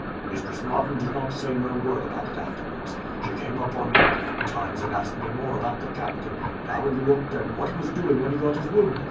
"Mistress Martin did not say no word about it afterwards. She came up on deck a few times, and asked me more about the captain, and how he looked, and what he was doing when he got his wound.